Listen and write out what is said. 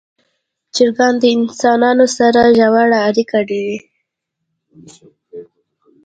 چرګان د انسانانو سره ژوره اړیکه لري.